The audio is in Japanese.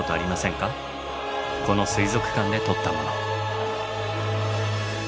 この水族館で撮ったもの。